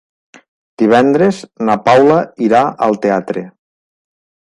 Divendres na Paula irà al teatre.